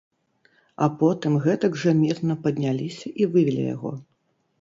А потым гэтак жа мірна падняліся і вывелі яго.